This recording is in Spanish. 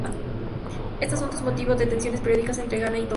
Este asunto es motivo de tensiones periódicas entre Ghana y Togo.